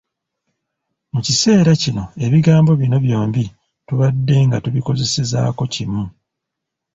Mu kiseera kino ebigambo bino byombi tubadde nga tubikozesezaako kimu.